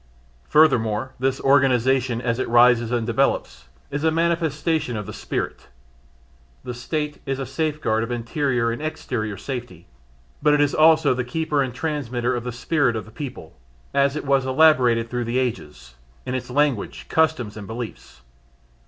Furthermore this organisation as it rises and develops, is a manifestation of the spirit. The State is a safeguard of interior and exterior safety but it is also the keeper and the transmitter of the spirit of the people, as it was elaborated throughout the ages, in its language, customs and beliefs.